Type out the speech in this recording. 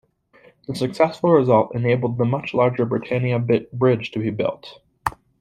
The successful result enabled the much larger Britannia bridge to be built.